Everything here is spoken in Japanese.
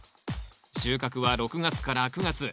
収穫は６月から９月。